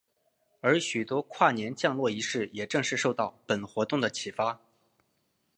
而许多跨年降落仪式也正是受到本活动的启发。